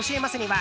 は